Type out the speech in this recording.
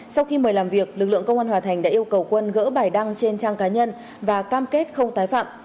sau khi mời làm việc lực lượng công an hòa thành đã yêu cầu quân gỡ bài đăng trên trang cá nhân và cam kết không tái phạm